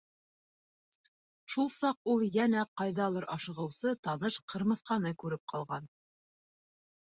Шул саҡ ул йәнә ҡайҙалыр ашығыусы таныш Ҡырмыҫҡаны күреп ҡалған.